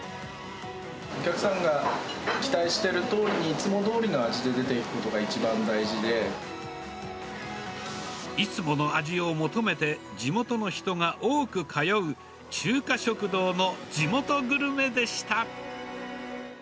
お客さんが期待しているとおりにいつもどおりの味で出ていくいつもの味を求めて、地元の人が多く通う中華食堂の地元グルメでした。